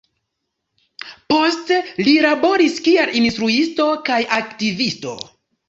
Poste li laboris kiel instruisto kaj arkivisto.